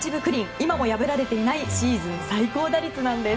今も破られていないシーズン最高打率なんです。